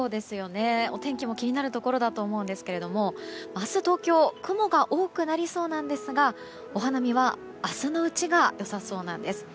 お天気も気になるところだと思いますが明日、東京雲が多くなりそうなんですがお花見は、明日のうちが良さそうなんです。